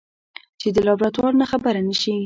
چې د لابراتوار نه خبره نشي.